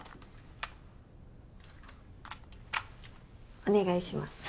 お願いします。